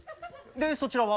でそちらは？